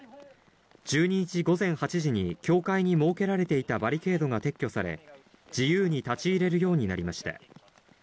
１２日午前８時に、きょうかいに設けられていたバリケードが撤去され、自由に立ち入れるようになりました。